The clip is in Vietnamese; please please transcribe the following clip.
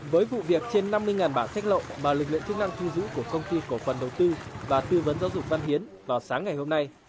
với vụ việc trên năm mươi bảng sách lậu mà lực lượng chức năng thu giữ của công ty cổ phần đầu tư và tư vấn giáo dục văn hiến vào sáng ngày hôm nay